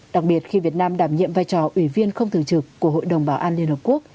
đặc biệt khi việt nam đảm nhiệm vai trò ủy viên không thường trực của hội đồng bảo an liên hợp quốc